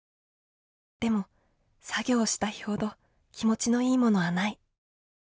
でも作業した日ほど気持ちのいいものはない。